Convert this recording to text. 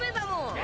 「え！」